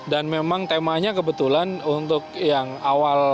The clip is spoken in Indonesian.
dan memang temanya kebetulan untuk yang awal